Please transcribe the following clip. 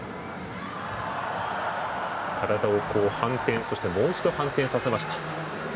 体を反転、もう一反転させました。